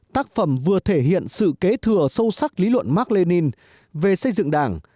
tác phẩm vừa thể hiện sự kế thừa sâu sắc lý luận mark lenin về xây dựng đảng